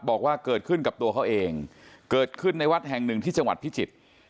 บอกว่าเกิดขึ้นกับตัวเขาเองเกิดขึ้นในวัดแห่งหนึ่งที่จังหวัดพิจิตร